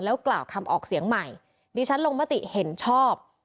กล่าวคำออกเสียงใหม่ดิฉันลงมติเห็นชอบ